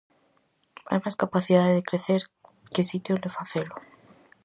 Hai máis capacidade de crecer que sitio onde facelo.